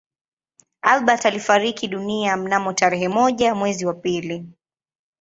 Albert alifariki dunia mnamo tarehe moja mwezi wa pili